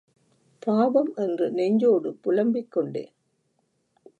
பாவம் என்று நெஞ்சோடு புலம்பிக் கொண்டேன்.